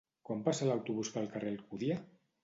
Quan passa l'autobús pel carrer Alcúdia?